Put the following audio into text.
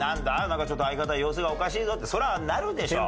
なんかちょっと相方様子がおかしいぞってそりゃなるでしょ。